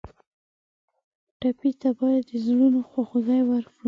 ټپي ته باید د زړونو خواخوږي ورکړو.